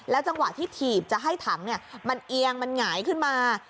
จังหวะที่ถีบจะให้ถังมันเอียงมันหงายขึ้นมา